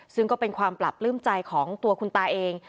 ซึ่งก็เป็นความปรับปลื้มใจของตัวคุณตาเอง